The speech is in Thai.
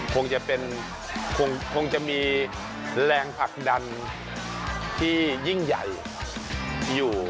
คงจะมีแรงผลักดันที่ยิ่งใหญ่อยู่